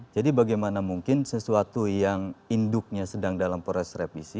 jadi bagaimana mungkin sesuatu yang induknya sedang dalam proses revisi